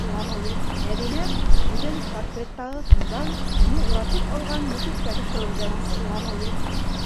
Мәҙинә күҙен портреттағы һындан уны уратып алған мөхиткә күсерҙе.